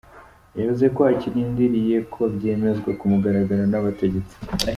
Yavuze ko akirindiriye ko byemezwa ku mugaragaro n'abategetsi.